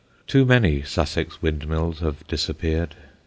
Too many Sussex windmills have disappeared.